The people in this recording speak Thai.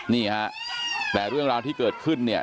นี่ฮะแต่เรื่องราวที่เกิดขึ้นเนี่ย